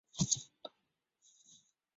皱褶大蟾蟹为梭子蟹科大蟾蟹属的动物。